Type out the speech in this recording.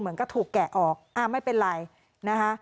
เหมือนก็ถูกแกะออกไม่เป็นไรนะคะ